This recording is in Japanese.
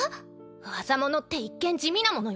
業物って一見地味なものよ。